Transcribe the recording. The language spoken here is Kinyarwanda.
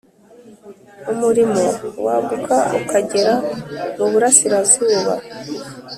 Umurimo waguka ukagera mu Burasirazuba